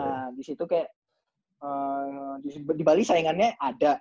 nah di situ kayak di bali saingannya ada